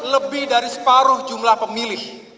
lebih dari separuh jumlah pemilih